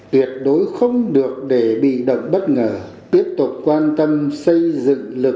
tuyệt đối không được để bị động bất ngờ tiếp tục quan tâm xây dựng lực